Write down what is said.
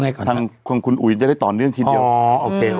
เมื่อกี้ที่ทางคุณอุ๋ยจะได้ต่อเรื่องทีเดียว